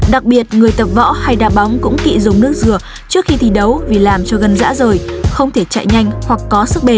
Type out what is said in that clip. đặc biệt người tập võ hay đa bóng cũng kị dùng nước dừa trước khi thi đấu vì làm cho gần dã rời không thể chạy nhanh hoặc có sức bền